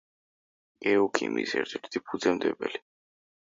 გეოქიმიის ერთ-ერთი ფუძემდებელი.